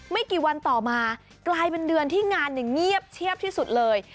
ไม่กี่วันต่อมากลายเป็นเดือนที่งานเงียบเชียบที่สุดเลย